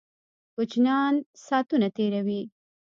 کوچینان ساتونه تیروي